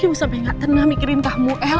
ibu sampe nggak tenang mikirin kamu el